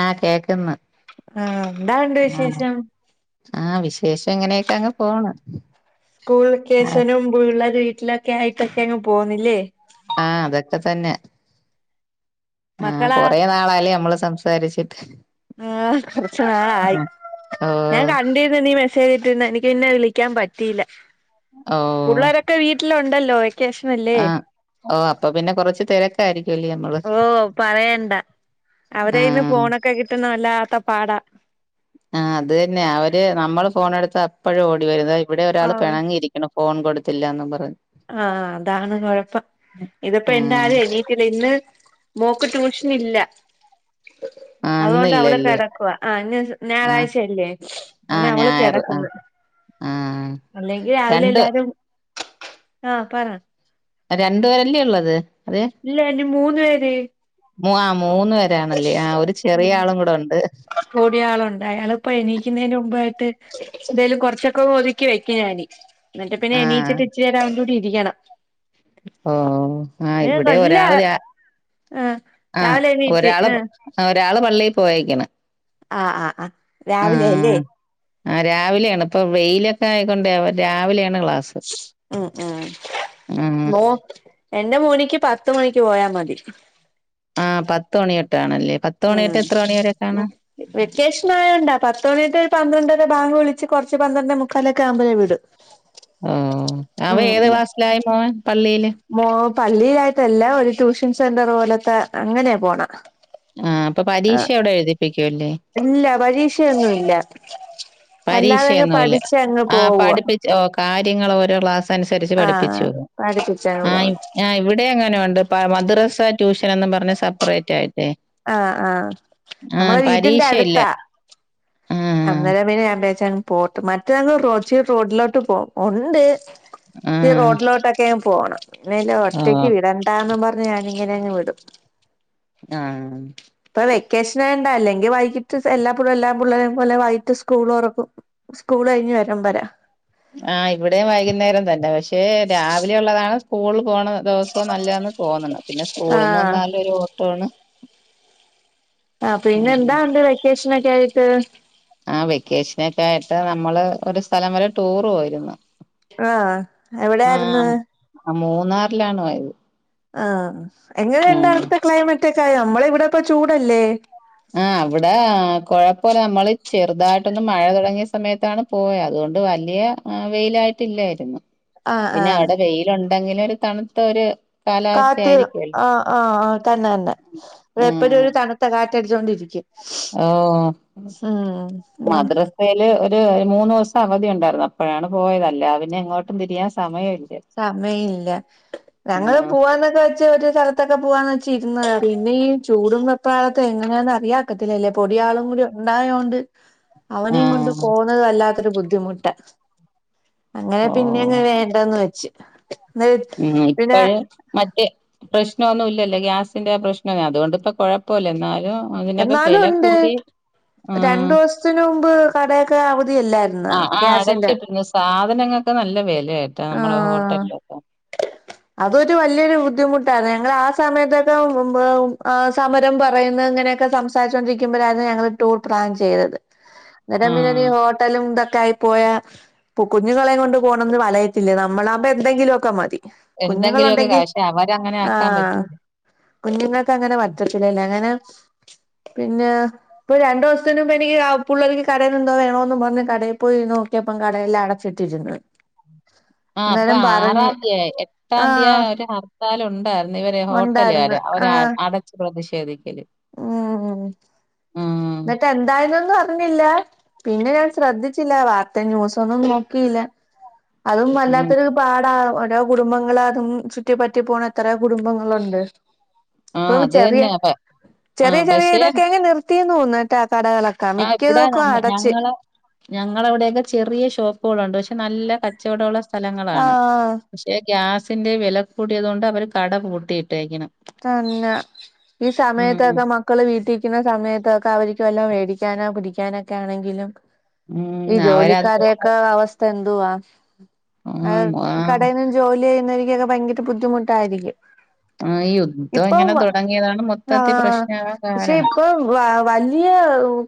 ആ കേക്കുന്ന് ആഹ എന്താണ്ട് വിശേഷം? കിശേല്ലിട്ട് ങ്ങനെയൊക്കെങ്ങ് പോണം സ്കൂൾ വെകേശനുംള്ള [unintelligible] [unintelligible] ലൊക്കെ ആയിട്ടൊക്കെങ്ങ് പോകുന്നില്ലേ ആ അതൊക്കെ തന്നെ ആ മക്കളാ കൊറെ നാളാലേ നമ്മളൾ സംസ സരിചിട്ട് ആ ആ ഞാൻ ഓഹ് കണ്ടിന് നീ വി ചെയ്ത്ണ്ണു എനിക്ക് പിന്നെ വിളിക്കാൻ പറ്റീല്ല. ഓ ല്ല ഉണ്ടല്ലോ ആഹ ഓ അപ്പൊ പിന്നെ കൊറച്ച് തിരക്കായിരിക്കും ല്ലേ ഓ പറയണ്ട. അവരയിന്ന് ആഹ് ഫോണൊക്കെ കിട്ട ന്നല്ലാത്ത പാടാ ആ അത് തന്നെ അവര് നമ്മൾ ഫോണ് എടുത്തപ്പഴും ഓടി വരും ഇതാ ഇവിടെ ഒരാൾ ആഹ് പിണങ്ങിയിരിക്കുണു ഫോൺ കൊടുത്തില്ലാന്നും പറഞ്ഞ് ആഹ് അതാണ് കുഴപ്പം ഇതിപ്പോ ആഹ് എന്തായാലും എണീറ്റില്ല ഇന്ന് മോക്ക് ട്യൂഷൻ ഇല്ല ആഹ് അതുകൊണ്ട് അവൾ ഇന്നില്ലല്ലേ കിടക്കുക ആ ആഹ് ഞായറാഴ്ചയല്ലേ അങ്ങനെ ആഹ് അവൾ ഞായറ് ആഹ് കിടക്കുന്നു ആഹ് അല്ലെങ്കി രാവിലെ രണ്ട് എല്ലാരും ആഹ് പറ രണ്ടുപേരല്ലേ ഉള്ളത് ഇല്ലെല്ലു മൂന്ന് പേര് മു ആ മൂന്ന് പേരാണല്ലേ ആ ഒരു ചെറിയ ആളും കൂടെ ഉണ്ട് കൂടിയ ആളുണ്ട് അയാളിപ്പോ എണീക്കുന്നതിന് മുമ്പായിട്ട് എന്തേലും കുറച്ചൊക്കെ ഒതുക്കി വെക്ക ഞാൻ എന്നിട്ട് പിന്നെ ആഹ് എണീചിട് ഇച്ചിരേരേം അവന്റെ കൂടി ഇരിക്കണം ഓ ആ ഇവിടെ അല്ല ഒരാൾ ആഹ് ആഹ രാവിലെ എണീറ്റ് ഒരാള [unintelligible] ഒരാള് പള്ളിയിൽ പോയെക്കണ് ആഹ ആഹ് ആ രാവിലെ അല്ലേ ആ രാവിലെയാണ് ഇപ്പൊ വെയിലൊക്കെ ആയികൊണ്ടേ അവൻ രാവിലെയാണ് ക്ലാസ് മ് മ് ഓ എന്റെ മോനിക്ക് പത്ത് മണിക്ക് പോയാ മതി ആഹ പത്ത് മണി എട ഉം വെക്കേഷൻ ആയോണ്ടാ പത്ത് മിനിറ്റ് ഒരു പന്ത്രര ഒക്കെ ബാങ്ക് വിളി കുറച്ച് പന്ത്രണ്ടെ മുക്കാലൊക്കെ ആവൂമ്പോഴേ വിടും ഓ അവൻ ഏത് ക്ലാസ്സിലായി മോൻ പള്ളിൽ മോൻ പള്ളിലായിട്ടല്ല ഒരു ട്യൂഷൻ സെന്റർ പോലത്തെ അങ്ങനെയ പോണ് ആ അപ്പൊ പരീക്ഷ എവിടെ എഴുതിപ്പി ഇല്ല പരീക്ഷയൊന്നുംല്ല ശ് പരീക്ഷയൊന്നുല്ല ആ പോവുവ പഠിപ്പി ഓ കാര്യങ്ങൾ ഓരോ ക്ലാസ് അനുസരിച്ച് ആഹ് പഠിപ്പിച്ചു പഠിപ്പിച്ചങ്ങ് ആ പോവും ആഹ് ഇവിടെ അങ്ങനെ ഉണ്ട് പ മദ്രസ ട്യൂഷനെന്നും പറഞ്ഞ് സെപ്പറേറ്റ് ആയിട്ട് ആഹ് ആഹ് നമ്മള വീട്ടിന്റെ പരീക്ഷയില്ല അടുത്താ ആഹ് അന്നേരം പിന്നെ ഞാൻ ആ ബാച്ച് പൂട്ടും മറ്റേഉണ്ട് ഈ ആഹ് റോഡ്ലൊട്ടൊക്കെ പോണം ഇല്ലേൽ ഒറ്റയ്ക്ക് ആഹ് വിടണ്ടാന്ന്പ അ ഞാനിങ്ങനെ അങ്ങ് വിടും. ആ കെഷണേണ്ട അല്ലെങ്കി വൈകിട്ട് എല്ലാപ്പും എല്ലാ പിള്ളേ ലെ വൈകിട്ട് സ്കൂൾ തുറക്കും സ്കൂൾ കഴിഞ്ഞു വരാൻ പഴ ആഹ് ഇവിടെയും വൈകുന്നേരം തന്നെ പക്ഷേ ക്ഷേ രാവിലെ ഉള്ളതാണ് ഓൾ പോണ ദിവസവും നല്ലന്ന് തോന്നണ് പിന്നെ സ്കൂളിൽന്ന് ആഹ് വന്നാല് ഒരു ഓട്ടോണ് ആ പിന്നെ എന്താണ്ട് വെക്കേഷൻ ഒക്കെ ആയിട്ട് ഉ ത നമ്മള് ഒരു സ്ഥലം വരെ ടൂർ പോയിരുന്നു ആഹ എവിടെയിരുന്നു ആഹ് മൂന്നാറിലാണ് പോയത്. ആഹ എങ്ങനെ ഉണ്ട് ആഹ് അവിടത്തെ ക്ലൈമറ്റ് മറ്റക്ക നമ്മള ഇവിടൊക്ക പ്പ ചൂടല്ലേ ആഹ അവിടെ കോഴ പോലെ നമ്മള് ചെറുതായിട്ടൊന്നു മഴ തുടങ്ങിയ സമയത്താണ് പോയത് അതുകൊണ്ട് വലിയ വെയിലായിട്ടില്ലായിരുന്നു. ആഹ് പിന്നെ ആഹ് അവിടെ വെയിലുണ് അങ്ങില ഒരു തണുത്ത ഒര് കാറ്റ് ആ ആഹ ആ തന്നെ തന്നെ ഇടെ എപ്പഴും ആഹ് ഒരു തണുത്ത കാ എടുജോണ്ടിരിക്കും ഓ ഞാൻ മദ്രസയില് ഒ ഒരു മൂന്ന് ദിവസം അവധിയ ഉണ്ടായിരുന്നു അപ്പോഴാണ് പോയത് അല്ലാതെ പിന്നെ എങ്ങോട്ടും തിരിയാൻ സമയമില്ല സമയംമില്ല ഞങ്ങള് ആഹ് പോവാന്നൊക്കെ വെച്ച് ഒരു സ്ഥലത്ത് ഇത്തൊക്കെ പോവാന്ന് വെച്ച് ഇരുന്നെന്നു പിന്നെഈ ചൂടും വെപ്പ്രാളം ഒക്ക എങ്ങനെയാന്ന് അറിയാക്കത്തില്ലല്ലേ പൊടിയളും കൂടി ഉണ്ടായതോണ്ട് അവനിം കൊണ്ട് ആഹ് പോന്നത് അല്ലാ ത്ര ബുദ്ധിമുട്ട അങ്ങനെ ഓ പിന്നെ അങ്ങ് വേണ്ടന്ന് വെ ഉം ആ ഇപ്പഴ് മറ്റ് പ്രശ്നമൊന്നുമില്ലല്ലോ ഗ്യാസിന്റെ പ്രശ്നവേഅതുകൊണ്ട് ഇപ്പൊ കുഴപ്പമില്ല എന്നാ എന്നാലും ഉണ്ട് രണ്ട് ആഹ് ദിവസത്തിന് മുമ്പ് കടയൊക്കെ അവധിയല്ലാ ആ ആ അടച്ചിട്ട്ണ് സാധനങ്ങൊക്കെ നല്ല വെല ആ അതൊരു വല്യയൊരു ബുദ്ധി ട്ടോ ഞങ്ങ ആ സമയത്തൊക്കെ ഈ സമരം പറ ഇങ്ങനെയൊക്കെ സംസാരിച്ചൊണ്ടിരിക്കുമ്പഴാണ് ഞങ്ങള് ടൂർ പ്ലാൻ ചെയ്തത് അന്നരം ആഹ് പിന്നെ ഹോട്ടലും [unintelligible] പോയ കുഞ്ഞുങ്ങളെയുംകൊണ്ട് പോണന്ന് വല ഇല്ല നമ്മളാവുമ്പോൾ എന്തെങ്കിലും ഒക്കെ മതി കുഞ്ഞുങ്ങൾ എന്തെങ്കിലുമൊക്കെ ഉണ്ടെങ്കിൽ പക്ഷെ അവരങ്ങനെ ആ ആക്കാൻ പറ്റൂല കുഞ്ഞുങ്ങൾക്ക് അങ്ങനെ പറ്റത്തില്ലല്ലേ അങ്ങനെ പിന്നെ ഇപ്പൊ രണ്ടു ദിവസത്തിനുമ്പ എനിക്ക് പുള്ളരക്ക് കടയ്ന്ന് എന്തോ വേണോന്ന് പറഞ്ഞ് കടയിൽ പോയി നോക്കിയപ്പെ കടയെല്ലാം അടച്ചിട്ടിരുന്ന്. ആ അപ്പൊ ആറാന്തിയ എട്ടാന്തിയേ ആഹ് ഹർത്താൽ ഉണ്ടാര്ന്നു ഇവര് ഉണ്ടായിരുന്നു ഹോട്ടലാര് ആഹ് അടചു പ്രതിശേ ശരി ഉം ഉം, ന്ന്ട്ട് എന്തായിരുന്നൊന്ന് പറ ല്ല പിന്നെ ഞാൻ ശ്രദ്ധിച്ചില്ല വാർത്തയും ന്യുസും ഒന്നും നോക്കിയില്ല. അതും ഉം. വല്ലാത്തൊരു പാടാ ഒ കുടുംബങ്ങൾ അതും ചുറ്റിപ്പറ്റി പോണാ എത്ര കുടുംബങ്ങളുണ്ട്. ആ ഇപ്പം അത് ചെറിയ തന്നെ അതെ ചെറിയ ചെറിയ ഇതക്കെ നിർ [unintelligible] ആ ഇവിടെ നമ്മ ഞങ്ങള് ഞങ്ങടെ അവിടെക്കെ ചെറിയ ഷോപ്പുകളുണ്ട് പശേ നല്ല കച്ചെടെള്ള സ്ഥലങ്ങളാണ് ആഹ് പക്ഷെ ഗ്യാസ് സിൻ്റെ വെല കൂടിയതുകൊണ്ട് അവര് കട പൂട്ടിയിട്ടെക്കണ് തന്നെ ഈ ഉം, സമയത്തൊക്കെ മക്കള് വീട്ടിന്നിക്കണ സമയത്തൊക്കെ അവര്ക്ക് വല്ലോം മേടിക്ക [unintelligible] പിടിക്കാനോ ഒക്കെ ആണെങ്കിലും ഈ ഉം. അവരതുകൊണ്ട് ജോലിക്കാരെകേ അവ എന്തുവാ ആ കടയെന്ന് ജോലി ചെയ്യുന്ന [unintelligible] ഭയങ്കര ബുദ്ധിമുട്ടായിരിക്കും ആ, ഈ യുദ്ധം ഇപ്പൊ ഇങ്ങനെ തുടങ്ങിയതാണ് ആ മൊത്തത്തിൽ പ്രശ്നമാകാൻ പക്ഷെ കാരണം ഇപ്പൊ വ വലിയ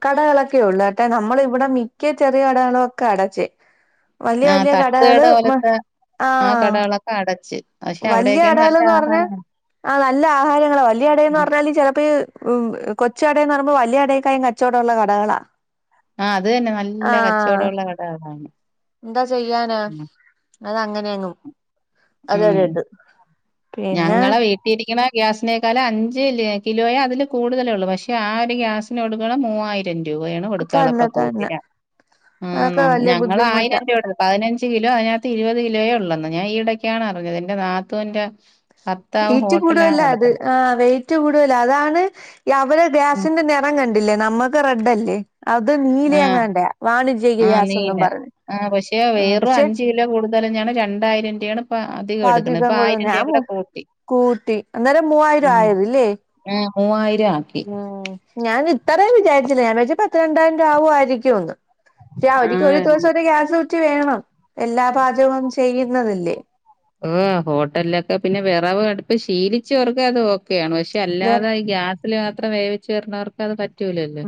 കടകളൊ ക്കെ ഒള്ളൂ കെട്ടാ നമ്മൾ ഇവിടെ മിക്ക ചെറിയ കടകളും ഒക്കെ അടച്ച് വലിയ ആ വലിയ തട്ടുകട കടകള് പോലത്തെ ആ ആഹ് കടകളൊക്കെ അടച്ച് പക്ഷെ വല്യ അവിടെയൊക്കെയാണ് നല്ല കടകളെന്ന് പറഞ്ഞ ആഹാരമാണ് ആ നല്ല ആഹാരങ്ങള് വല്യ കടേന്ന് പറഞ്ഞാല് ചിലപ്പോ ഈ ഹ് ഉം കൊച്ച് കടേന്ന് പറയുമ്പോ വല്ല്യ കടേക്കായും കച്ചവടവുള്ള കടകളാ ആ അത് തന്നെ നല്ല ആഹ് കച്ചവടൊള്ള കട അതാണ് എന്താ ചെയ്യാനാ അതങ്ങനെയങ്ങും ഉം. [unintelligible] ഞങ്ങളെ വീട്ടിരിക്കണ ഗ്യാസിനേക്കാൾ അഞ്ച് ലെ കിലോയേ അതില് കൂടുതൽ ഒള്ളൂ പക്ഷെ ആ ഒരു ഗ്യാസിന് കൊടുക്കണം മൂവായിരം രിം രൂപയാണ് കൊടുക്കായുള്ളെ തന്നെ അപ്പം തന്നെ കുട്ടിലാ ആ അതൊക്കെ നമ്മ വലിയ ഞങ്ങൾ ബുദ്ധിമുട്ടാ ആയിരം രൂപ കൊട് പതിനഞ്ച് കിലോ അതിനകത്ത് ഇരുപത് കിലോയെ ഒള്ളെന്ന് ഞാൻ ഈയിടക്കാണ് അറിഞ്ഞത് എന്റെ നാത്തൂന്റെ ഭർത്താവ് വെയ്റ്റ് ഹോട്ടലാണ് കൂടുവല്ല അത് നടത്തുന്നത് ആ വെയ്റ്റ് കൂടുവല്ല അതാണ് അവരെ ഗ്യാസിന്റെ നിറം കണ്ടില്ലേ നമ്മക്ക് റെഡ് അല്ലേ അത് ആ നീലയെങ്ങാണ്ടയാ വാണിജ്യക ആ നീല ഗ്യാസെന്നും പറഞ്ഞ് ആ പക്ഷേ ആ വെറും പക്ഷെ അഞ്ചു കിലോ കൂടുതല്നാണ് രണ്ടായിരം രൂ പാചകം കൊള്ളും ഞാൻ കൂട്ടി അന്നേരം മൂവായിരം ആയത് ഇല്ലേ മൂവായി ഉം ഞാൻ ഇത്തറേം വിചാരിച്ചില്ല ഞാൻ വച്ച് പത്ത് രണ്ടായിരം രൂപ ആവും ആയിരിക്കും ഒന്ന് പക്ഷേ അവരിക്ക് ആഹ് ഒരുദിവസം ഒരു ഗ്യാസ് റ്റ് വേണം എല്ലാ പാചകവും ചെ ചെയ്യുന്നതല്ലേ ഹ് ഹോട്ടലിലൊക്കെ പിന്നെ വിറവ് അടുപ്പ് ശീലിച്ചവർക്ക് അത് ഒ ഒക്കെയാണ് പക്ഷെ വെ അല്ലാതെ ഗ്യാ പ്പിൽ മാത്രം വേവിച്ച് വരുന്നവർക്ക് അത് പറ്റ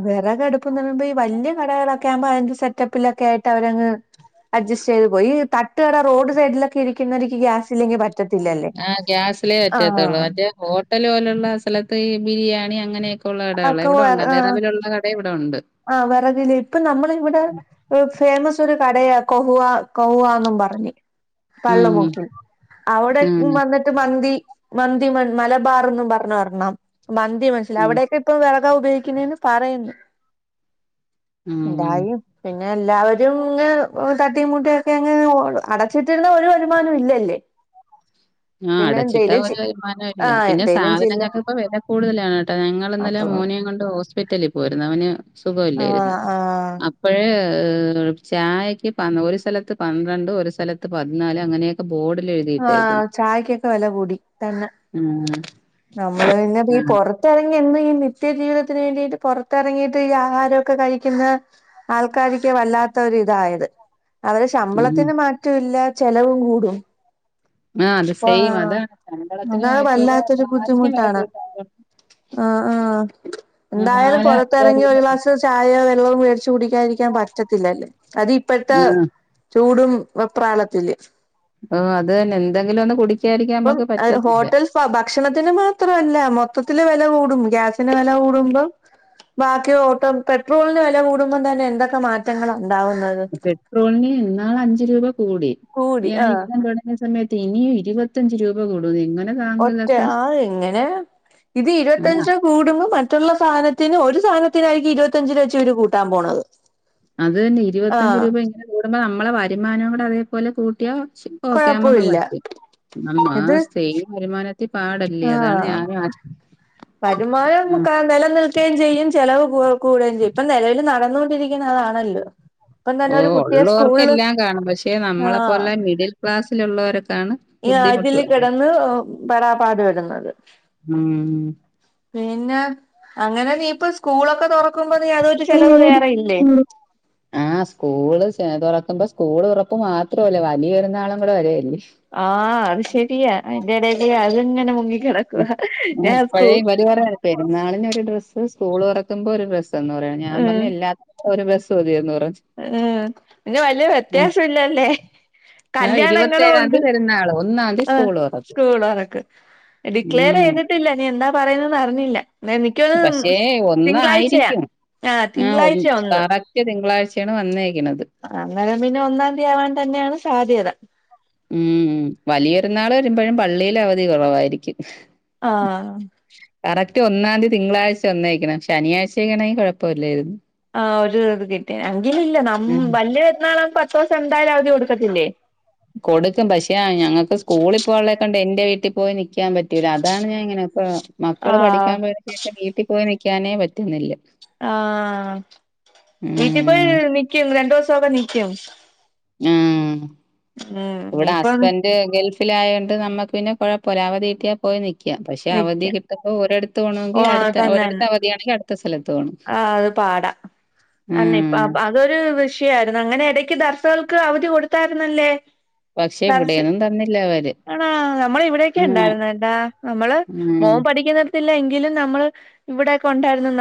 വിറകടുപ്പ്ന്ന് പറയുമ്പോഈ വലിയ കടകള ക്കെ ആവുമ്പോ അതിന്റെ സെറ്റപ്പിലൊക്കെ ആയിട്ട് അവരങ്ങ് അഡ്സ്റ്റ് ചെയ്ത് പോയി ഈ തട്ടുകട റോഡ് സൈഡിലൊക്കെ ഇരിക്കുന്നവെര്ക്ക് ഗ്യാസില്ലെങ്കി പ ആ ഗ്യാസിലേ റ്റത്തുള്ളൂ മറ്റേ ഹോട്ടല് പോലെയുള്ള ആ സ്ഥലത്ത് ഈ ബിരിയാണി അങ്ങ ങ്ങനെ ഉള്ള കടകള് ഇവിടെ ഉണ്ട് വിറവിലുള്ള കടേം ഇവ ആ വെറകില് ഇപ്പൊ നമ്മളിവിടെ ഒ ഫേമസ് ഒരു കടയാ കൊഹ്‌വാ കൊവാന്നും പറഞ്ഞ് ഉം പള്ളമൊക്കിൽ അവിടെ ആഹ് വന്നിട്ട് മന്തി മന്തിമൺ മലബാറന്നും പറഞ്ഞ് ഒരണ്ണം മന്തി [unintelligible] ഉം അവിടയക്കെ ഇപ്പം വേ ദ ഉപയോഗിക്ക് ണ്ന്ന് പറയ്ണ്ട് ഉം ദായും പിൻ ന്നെ എല്ലാവരും ങ്ങ് തട്ടിമൂട്ടിയൊക്കെ അങ്ങെ അടച്ചിട്ടിരുന്ന ഒരു വരുമാന ഇല്ലല്ലേ ആ പിന്നെ അടച്ചിട്ടാ എന്തേലും ഒരു ചെ വിമാനവും ഇല്ല ആഹ് പിന്നെ എന്തേലും ചില്ല സാധനങ്ങൾക്ക് ഇപ്പോ വില കൂടുതലാണ് കേട്ടോ ഞങ്ങൾ ഇന്നലെ അപ്പൊ മോനേം കൊണ്ട് ഹോസ്പിറ്റലി പോ പോരുന്നവന് സുഖല്ലായിരുന്ന് ആഹ് ആഹ് അപ്പഴ് ഏഹ് ചായക്ക് ഒരു സ്ഥലത്ത് പന്ത്രണ്ട് ഒരു സ്ഥലത്ത് പതിനാല് അങ്ങനെയൊക്കെ ബോർഡിൽ എഴുതിയിട്ടേക്കണ്‌ ചായ്ക്കൊക്കെ വില കൂടി തന്നെ ആഹ് നമ്മള് പിന്നെ ഈ ആഹ് പൊറത്തെറങ് ന്ന് ഈ നിത്യ ജീവിതത്തിന് വേണ്ടിട്ട് പുറത്തിറങ്ങിട്ട് ഈ ആഹാരമൊക്കെ കഴിക്കുന്ന ആൾക്കാരിക്ക് വല്ലാത്ത ഒരു ഇതായത് അവരെ ഉം ശമ്പളത്തിന് മാറ്റം ഇല്ല ചെലവും കൂടും ആ അത് സെയിം അതാണ് മങ്കളത്തിന് മാറ്റൂല ങ്കര പാലിന് വില ബുദ്ധിമുട്ടാണ് കൂട്ടാനും ആ ആ എന്തായാലും നാലാ അഞ്ചാ പുറത്തിറങ്ങി രൂപ ഒരു ഗ്ലാസ് ചായയോ വെള്ളവോ വേട്ച്ചു കുടിക്കാതിരക്കാൻ പറ്റത്തില്ലല്ലോ അതിപ്പഴ്ത്തെ ആഹ് ചൂട് ചൂടും വെപ്രാളത്തില് ഓ അതന്നെ എന്തെങ്കിലും ഒന്ന് കുടിക്കാരിക്കാൻ നമ്മക്ക് പറ്റത്തില്ല. അത് മാത്രല്ല മൊത്തത്തിൽ വില കൂടും ഗ്യാസിന്റെ വില കൂടുമ്പം ബാക്കി ഓട്ടോ പെട്രോളിന് വില കൂടുമ്പോ തന്നെ എന്തൊക്കെ മാറ്റങ്ങളാ. ഉണ്ടാവുന്നത് പെട്രോൽന് ന്ന് നാള അഞ്ച് രൂപ കൂടി കൂടി യാ ആഹ് യുദ്ധം തുടങ്ങിയ സമയ ഇനിയും ഇരുപത്തഞ്ച് രൂപ കൂടുന്ന് എങ്ങനെ താങ്ങും ഒറ്റ ഇതൊക്കെ ആ എങ്ങനെ ഇത് ആഹ് ഇരുപത്തഞ്ചോ കൂടുമ്പോ മറ്റ മറ്റുള്ള സാധനത്തിന് ഒരു സാധനത്തിനായിരിക്കും ഇരുപത്തഞ്ച് രൂ വച്ച ഇവര് കൂട്ടാൻ പോണത് അത് തന്നെ ഇരുപത്തഞ്ച് ആഹ് രൂപ ഇങ്ങനെ കൂടുമ്പോ നമ്മ നമ്മളെ വരുമാനവും കൂടെ അതേപോലെ കൂട്ടിയോ പക്ഷെ [unintelligible] കൊഴപ്പമില്ല പറ്റും നമ്മ ഇത് സ്ത്രീ വരുമാനത് ആഹ് വരുമാനം ആ ആഹ് കാ നിലനിൽക്കേം ചെയ്യും ചെലവ് കു കുടേം ചെയ്യും ഇപ്പോ നെലവിൽ നടന്നോണ്ട് ഇരിക്ക്ണതാണല്ലോ ഓ ഉള്ളോർക്കെല്ലാം കാണും പക്ഷെ നമ്മളെ ആഹ് പോലെ മിഡിൽ ക്ലാസ്സിലുള്ളവരൊ- ഈ അതില് കെടന്ന് പെടാപാട് പെ ട്ന്നത് മ്മ് പിന്നെ അങ്ങനെ നീ ഇപ്പ സ്കൂളൊ ആ സ്കൂള് ചതുറക്കുമ്പ സ്കൂള് തുറപ്പ് മാത്രല്ല വലിയ പെരുന്നാളും കൂടെ വരല്ല ആ അത് ശെരിയാ ജലജേ അത്ങ്ങനെ മുങ്ങി ഇപ്പഴേ ഇ വരി പറ നാളിന ഒരു ഡ്രസ്സ് സ്കൂള് തൊറക്കുമ്പോ ഒരു ഡ്രസ് തന്നു പറയ ഞാൻ ഉം പറഞ്ഞ എല്ലാത്ത ഒരു ബസ് മതിന്ന് പറ ഉം പിന്നെ വ വ്യത്യാസ ഇല്ലല്ലേ ആ കല്യാണങ്ങളും ഇരുപത്തേഴാം ഉണ്ട് തീയതി പെരുന്നാള് ഒന്നാം തീയതി ആ സ്കൂൾ തുറക്കും സ്കൂളോറക്ക് ഡിക്ലെയർ ഉം ചെയ്തിട്ടില്ല നീ എന്താ പറയുന്നന്ന് അറിഞ്ഞ ഇല്ല പക്ഷേ ഒന്നായിരിക്കും ആഹ് ആ ഒ തിങ്കളാഴ്ച കറക്റ്റ് തിങ്കളാഴ്ചയാണ് വന്നേക്കണുന്നത് അങ്ങേരം പിന്നെ ഒന്നാം തീയതിയാവാൻ തന്നെയാണ് സാധ്യത ഉം വലിയൊരു നാൾ വരുമ്പോഴും പള്ളിയില അവധി കുറവായിരിക്കും ആ കറക്റ്റ് ഒന്നാം തീയതി തിങ്കാഴ്ച ഒന്നേക്കണം ശനിയാഴ്ചക്കണെങ്ക കുഴപ്പമില്ലായിരുന്നു ആ ഒരു ഇത് കിട്ടിയാ അങ്കിൽ ഇല്ലാ ന്നം ഉം വല്ല്യ പെരുന്നാളാ പത്തോസം എന്തായാലും അവധി കൊടുക്കത്തില്ലേ കൊടുക്കും പക്ഷേ ഞങ്ങൾക്ക് സ്കൂളി ഇപ്പൊ ഓളെ കൊണ്ട് എന്റെ വീട്ടിൽ പോയി നൽക്കാൻ പറ്റൂല അതാണ്ഞാ ഇങ്ങനെപ്പ മക്കള് ആഹ് പഠിക്കാൻ പോയന് ശേഷം വീട്ടിൽ പോയി നി പിക്കാനേ പറ്റുന്നില്ല ആ വീട്ടിൽ പോയി ഉം നിക്കി രണ്ടുവസം തൊവാ നിക്കും ആ ഉം ഇവിടെ ഇപ്പൊ ഹസ്ബൻഡറ് ഗൾഫ് ലായൊണ്ട് നമ്മക്ക് പിന്നെ കൊഴപ്പല്ല അവധി കിട്ടിയ പോയി നിക്ക്- ക്ക്യാ പക്ഷെ അവധി നിക്ക കിട്ടുമ്പോ ഒരിടത്ത് ഓ പോണോങ്കി അടുത്ത ഒരിടത്ത് അവധിയാണെങ്കി അടുത്ത സ്ഥലത്ത് പോണം ആ അത് പാടാം നന്നെ ഉം അതൊരു വിഷയമായിരുന്നു അങ്ങനെ ഇടക്ക് ദർശക അവധി കൊടുത്തായിരുന്നല്ലേ പക്ഷെ ദറസ് ഇവിടെയൊന്നും തന്നില്ല അവര് ആണാേ നമ്മൾ ഇവിടെക്കെ ഉം ഉണ്ടായിരുന്നേട്ടാ നമ്മള് ഉം മോൻ പഠിക്കുന്ന ഇല്ല എങ്കിലും നമ്മൾ ഇവിടെക്കെ ഉണ്ടായിരുന്നുന്ന